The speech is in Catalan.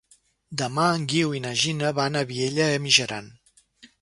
Demà en Guiu i na Gina van a Vielha e Mijaran.